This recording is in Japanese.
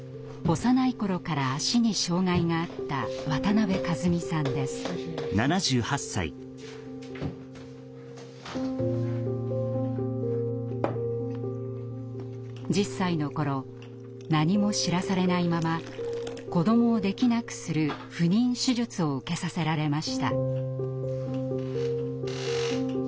幼い頃から足に障害があった１０歳の頃何も知らされないまま子どもをできなくする不妊手術を受けさせられました。